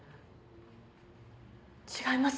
違います